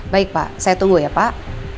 baik pak saya tunggu ya pak